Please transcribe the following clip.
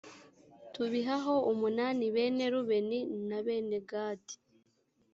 tubihaho umunani bene rubeni na bene gadi,